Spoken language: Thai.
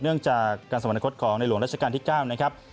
เนื่องจากการสวรรคตของในหลวงราชการที่๙นะครับ